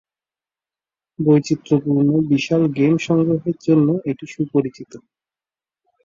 বৈচিত্রপূর্ণ বিশাল গেম সংগ্রহের জন্য এটি সুপরিচিত।